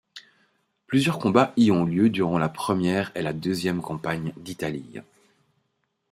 Plusieurs combats y ont lieu durant la première et la deuxième campagne d'Italie.